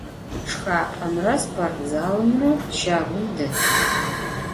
Şşxap'emre sportzalımre şagum detıx.